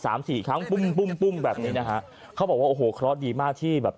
สามสี่ครั้งปุ้มปุ้มปุ้มแบบนี้นะฮะเขาบอกว่าโอ้โหเคราะห์ดีมากที่แบบ